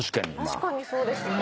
確かにそうですね。